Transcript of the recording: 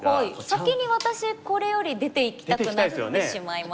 先に私これより出ていきたくなってしまいます。